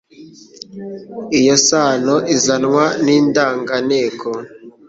Iyo sano izanwa n’indanganteko